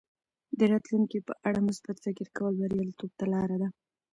د راتلونکي په اړه مثبت فکر کول بریالیتوب ته لاره ده.